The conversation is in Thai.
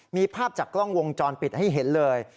มีภาพจากกล้องวงจรปิดให้เห็นเลย